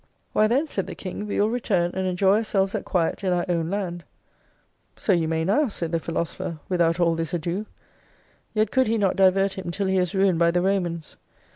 Why then said the King we will return, and enjoy ourselves at quiet in our own land. So you may now, said the philosopher, without all this ado. Yet could he not divert him till he was ruined by the Romans.